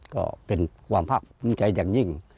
ก็เป็นความภาคภูมิใจอย่างยิ่ง